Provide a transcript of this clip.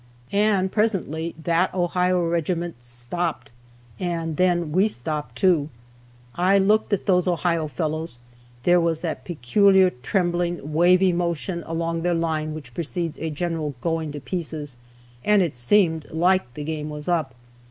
And presently that Ohio regiment stopped! and then we stopped too. I looked at those Ohio fellows; there was that peculiar trembling, wavy motion along their line which precedes a general going to pieces, and it seemed like the game was up.